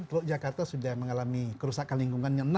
kalau jakarta sudah mengalami kerusakan lingkungan